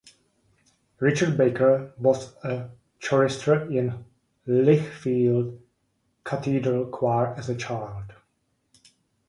Richard Baker was a chorister in Lichfield Cathedral choir as a child.